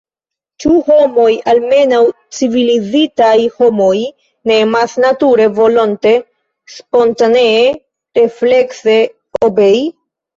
Ĉu homoj – almenaŭ, civilizitaj homoj – ne emas nature, volonte, spontanee, reflekse obei?